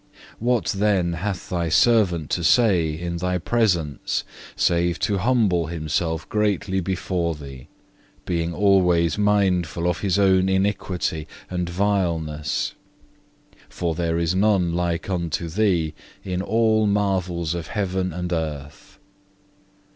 What then hath Thy servant to say in Thy presence, save to humble himself greatly before Thee, being alway mindful of his own iniquity and vileness. For there is none like unto Thee in all marvels of heaven and earth.